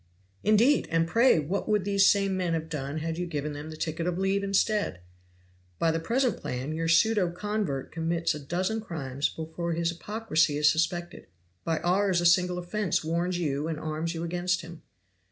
"Indeed! And pray what would these same men have done had you given them the ticket of leave instead? "By the present plan your pseudo convert commits a dozen crimes before his hypocrisy is suspected; by ours a single offense warns you and arms you against him.